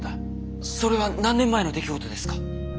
それは何年前の出来事ですか？